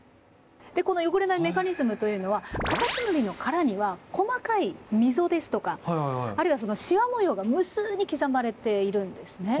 でこの汚れないメカニズムというのはカタツムリの殻には細かい溝ですとかあるいはシワ模様が無数に刻まれているんですね。